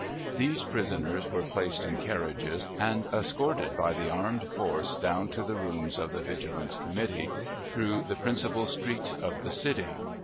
These prisoners were placed in carriages, and escorted by the armed force down to the rooms of the Vigilance Committee, through the principal streets of the city.